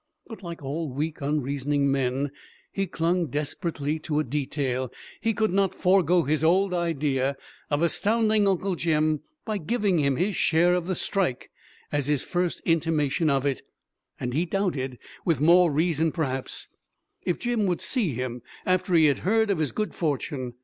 But, like all weak, unreasoning men, he clung desperately to a detail he could not forego his old idea of astounding Uncle Jim by giving him his share of the "strike" as his first intimation of it, and he doubted, with more reason perhaps, if Jim would see him after he had heard of his good fortune.